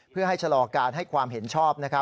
เพื่อให้ชะลอการให้ความเห็นชอบ